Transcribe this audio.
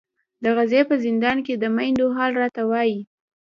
د غزې په زندان کې د میندو حال راته وایي.